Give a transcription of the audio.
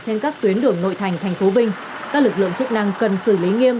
trên các tuyến đường nội thành thành phố vinh các lực lượng chức năng cần xử lý nghiêm